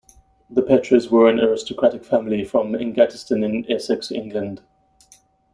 The Petres were an aristocratic family from Ingatestone in Essex, England.